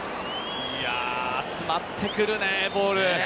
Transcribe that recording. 集まってくるね、ボール。